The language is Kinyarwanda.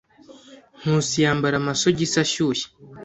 Nkusi yambara amasogisi ashyushye.